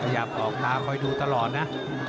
อยากออกตาคอยดูตลอดนะ